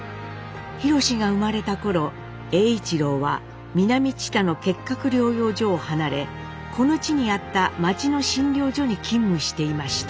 ひろしが生まれた頃栄一郎は南知多の結核療養所を離れこの地にあった町の診療所に勤務していました。